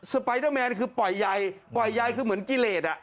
สไปด์แมนคือปล่อยใยปล่อยใยคือเหมือนกิเลส